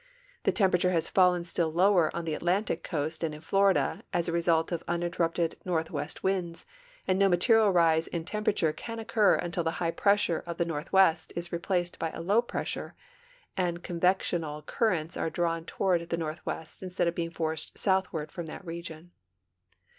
The temperature bas fallen still lower on the Atlantic coast and in Florida as the result of uninterrupted northwest winds, and no material rise in tempera 78 STORMS AND WEATHER FORECASTS ture can occur until the high pressure of the northwest is rei)laced by a low pressure, and convectional currents are drawn toward the northwest instead of being forced southward from that region.